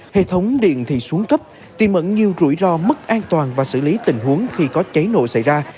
hệ thống điện thì xuống cấp tìm ẩn nhiều rủi ro mất an toàn và xử lý tình huống khi có cháy nổ xảy ra